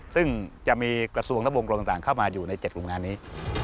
ซึ่งจะมีกระทรวงและวงกรมต่างเข้ามาอยู่ใน๗กลุ่มงานนี้